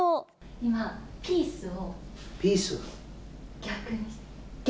今、ピースを。